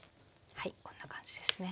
はいこんな感じですね。